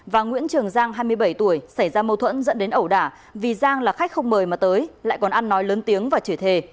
và nguyễn trường giang hai mươi bảy tuổi xảy ra mâu thuẫn dẫn đến ẩu đả vì giang là khách không mời mà tới lại còn ăn nói lớn tiếng và chửi thề